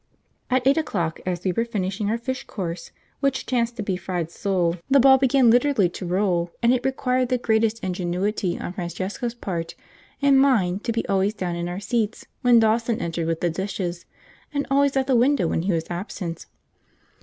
At eight o'clock, as we were finishing our fish course, which chanced to be fried sole, the ball began literally to roll, and it required the greatest ingenuity on Francesca's part and mine to be always down in our seats when Dawson entered with the dishes, and always at the window when he was absent.